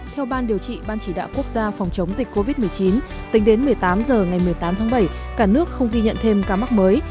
theo ban điều trị ban chỉ đạo quốc gia phòng chống dịch covid một mươi chín tính đến một mươi tám h ngày một mươi tám tháng bảy cả nước không ghi nhận thêm ca mắc mới